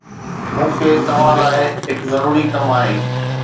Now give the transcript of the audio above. مون کي توهان لاءِ هڪ ضروري ڪم آهي